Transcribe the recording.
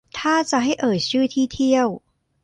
ถ้าจะให้เอ่ยชื่อที่เที่ยว